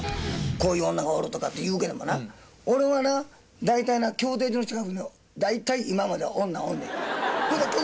こういう女がおるとかって言うけどな、俺はな、大体な、競艇場の近くに大体、今まで女おんねん。